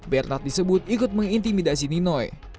bernard disebut ikut mengintimidasi ninoi